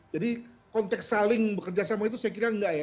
jadi konteks saling bekerja sama itu saya kira enggak ya